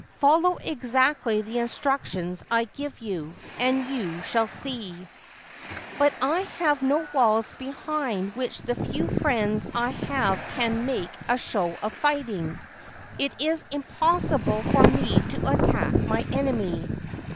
' Follow exactly the instructions I give you, and you shall see.' ' But I have no walls behind which the few friends I have can make a show of fighting. It is impossible for me to attack my enemy.'